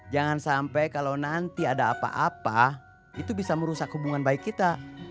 jangan sampai kalau nanti ada apa apa itu bisa merusak hubungan baik kita